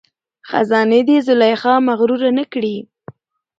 خزانې دي زلیخا مغروره نه کړي